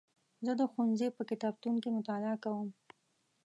زه د ښوونځي په کتابتون کې مطالعه کوم.